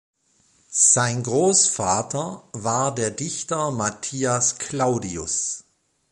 Sein Großvater war der Dichter Matthias Claudius.